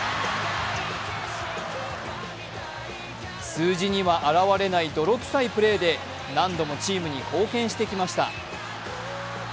数字には表れない泥臭いプレーで、何度もチームに貢献してきました。